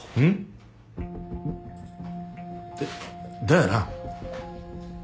だだよな。